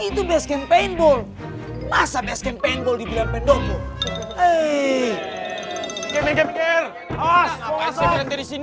itu best campaign ball masa best campaign ball di pendopo eh kemenger kemenger sini